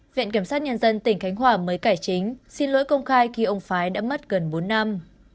viện kiểm sát nhân dân tỉnh khánh hòa mới cải chính xin lỗi công khai khi ông phái đã mất gần bốn năm